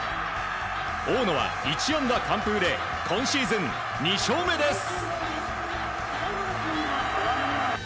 大野は１安打完封で今シーズン２勝目です。